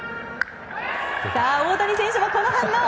大谷選手もこの反応！